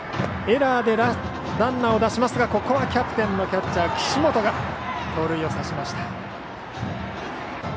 エラーでランナーを出しますがキャプテンのキャッチャー岸本が盗塁を刺しました。